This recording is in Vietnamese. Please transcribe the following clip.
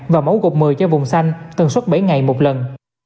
và mẫu gột một mươi cho vùng xanh tần suốt bảy ngày một lần